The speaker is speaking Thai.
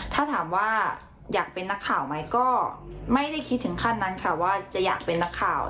ถ้าถามว่าอยากเป็นนักข่าวไหมก็ไม่ได้คิดถึงขั้นนั้นค่ะว่าจะอยากเป็นนักข่าว